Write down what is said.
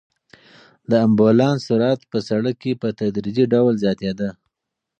د امبولانس سرعت په سړک کې په تدریجي ډول زیاتېده.